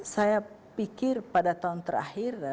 saya pikir pada tahun terakhir